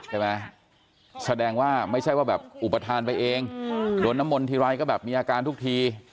แสดงว่าไม่ใช่ว่าแบบอุปทานไปเองโดนน้ำมนต์ทีไรก็แบบมีอาการทุกที